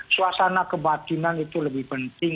suasana kebatinan itu lebih penting